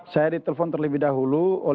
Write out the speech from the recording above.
saya ditelepon terlebih dahulu